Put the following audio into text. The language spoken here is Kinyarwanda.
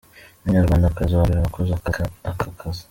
Ni we munyarwandakazi wa mbere wakoze aka kazi.